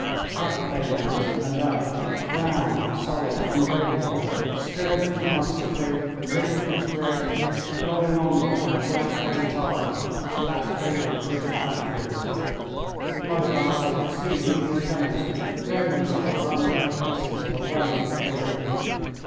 Up they went and up grand, solid, unbreakable, scourged with musketry, riddled with grape, flowing onward in a black, heavy tide, which lapped over the British batteries. With my glass I could see the English gunners throw themselves under their pieces or run to the rear.